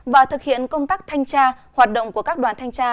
và thực hiện công tác thanh tra hoạt động của các đoàn thanh tra